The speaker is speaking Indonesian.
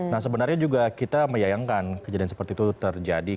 nah sebenarnya juga kita menyayangkan kejadian seperti itu terjadi